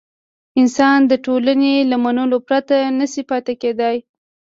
انسان د ټولنې له منلو پرته نه شي پاتې کېدای.